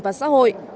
và xã hội